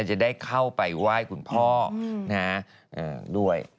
จะได้เข้าไปไหว้คุณพ่อด้วย